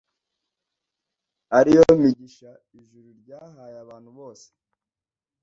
ari yo migisha ijuru ryahaye abantu bose